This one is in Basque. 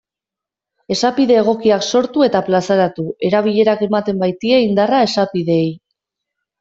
Esapide egokiak sortu eta plazaratu, erabilerak ematen baitie indarra esapideei.